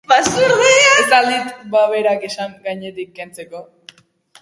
Ez al dit ba berak esan gainetik kentzeko?